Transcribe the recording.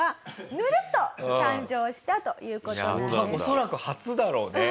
恐らく初だろうね。